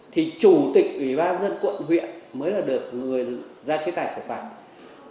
thì chủ tịch bán dân quận huyện mới là được người ra chế tài xử phạt